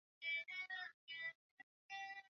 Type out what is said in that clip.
Mambo yanayosababisha ugonjwa wa pumu ya mbuzi na kondoo